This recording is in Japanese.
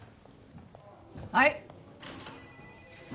はい。